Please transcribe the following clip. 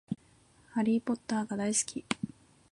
ハリーポッターが好き